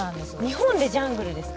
日本でジャングルですか？